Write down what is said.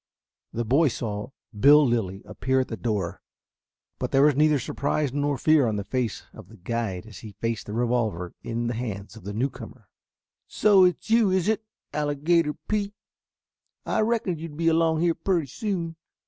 The boy saw Bill Lilly appear at the door, but there was neither surprise nor fear on the face of the guide as he faced the revolver in the hands of the newcomer. "So, it's you, is it, Alligator Pete? I reckoned you'd be along here pretty soon."